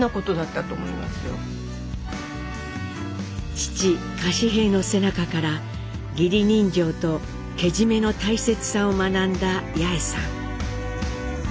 父柏平の背中から義理人情とけじめの大切さを学んだ八重さん。